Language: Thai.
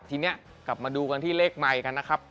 ทีนี้กลับมาดูกันที่เลขใหม่กันนะครับ